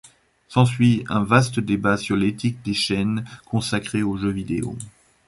S'ensuit un vaste débat sur l'éthique des chaînes consacrées au jeu vidéo.